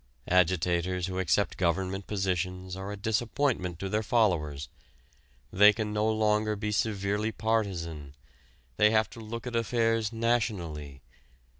Agitators who accept government positions are a disappointment to their followers. They can no longer be severely partisan. They have to look at affairs nationally.